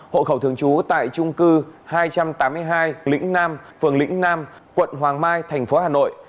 hộ khẩu thường trú tại trung cư hai trăm tám mươi hai lĩnh nam phường lĩnh nam quận hoàng mai thành phố hà nội